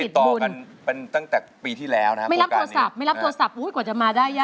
โตกันเป็นตั้งแต่ปีที่แล้วนะไม่รับโทรศัพท์ไม่รับโทรศัพท์กว่าจะมาได้ยาก